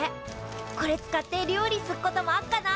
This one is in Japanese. これ使って料理すっこともあっかな？